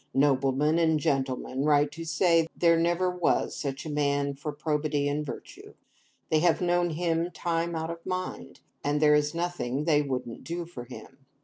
Noblemen and gentlemen write to say there never was such a man for probity and virtue. They have known him time out of mind, and there is nothing they wouldn't do for him.